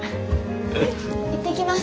行ってきます。